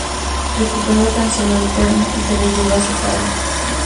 Recuperó tan solo el cuerno y se lo llevó a su padre.